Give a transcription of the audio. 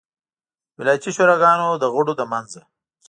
ولایتي شوراګانو د غړو له منځه.